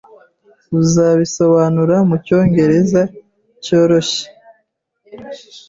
Uzabisobanura mucyongereza cyoroshye?